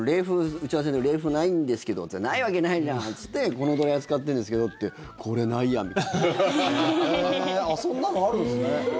打ち合わせで冷風ないんですけどって言ったらないわけないじゃんって言ってこのドライヤー使ってるんですけどってそんなのあるんですね。